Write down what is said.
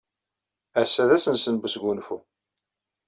Ass-a d ass-nsen n wesgunfu.